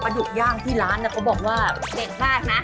ปลาดุกย่างที่ร้านเนี่ยเค้าบอกว่าเด็ดมากนะ